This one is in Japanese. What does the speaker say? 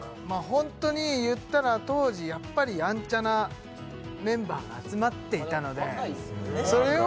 ホントに言ったら当時やっぱりやんちゃなメンバーが集まっていたのでまだ若いっすもんね